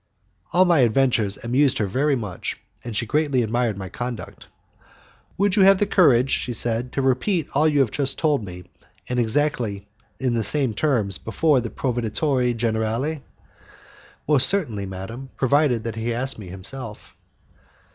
All my adventures amused her much, and she greatly admired my conduct. "Would you have the courage," she said, "to repeat all you have just told me, and exactly in the same terms, before the proveditore generale?" "Most certainly, madam, provided he asked me himself."